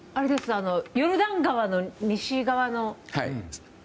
ヨルダン川の西側の。